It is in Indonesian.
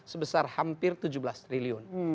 sebesar hampir tujuh belas triliun